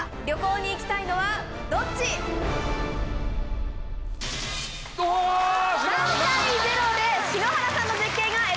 旅行に行きたいのはどっち⁉３対０で。